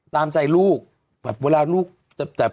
ตามใจลูกแบบแม่น่ะ